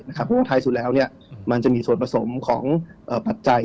เพราะว่าท้ายสุดแล้วมันจะมีส่วนผสมของปัจจัย